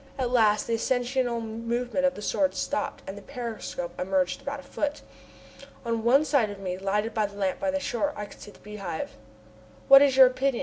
At last the ascensional movement of the Sword stopped, and the periscope emerged about a foot. On one side of me, lighted by the lamp by the shore, I could see the Beehive. "What is your opinion?"